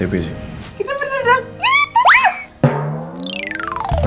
kita pernah jalan iiih tosnya